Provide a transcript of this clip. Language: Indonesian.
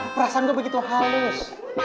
perasaan gue begitu halus